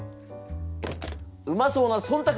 うまそうな「忖度」